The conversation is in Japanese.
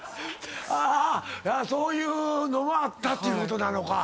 そういうのもあったっていうことなのか。